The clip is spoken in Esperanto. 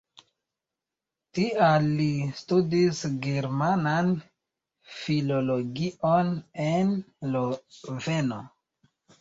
Tial li studis Germanan filologion en Loveno.